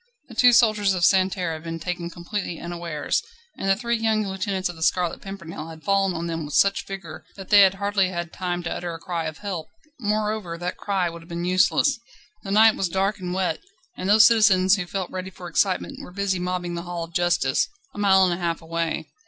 The two soldiers of Santerne had been taken completely unawares, and the three young lieutenants of the Scarlet Pimpernel had fallen on them with such vigour that they had hardly had time to utter a cry of "Help!" Moreover, that cry would have been useless. The night was dark and wet, and those citizens who felt ready for excitement were busy mobbing the Hall of Justice, a mile and a half away.